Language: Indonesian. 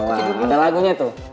ada lagunya tuh